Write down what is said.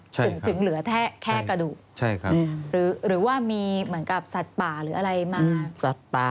ถึงเหลือแค่กระดูกหรือว่ามีเหมือนกับสัตว์ป่าหรืออะไรมา